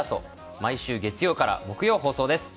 毎週月曜から木曜放送です。